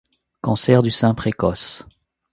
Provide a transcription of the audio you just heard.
Cancer du sein précoce.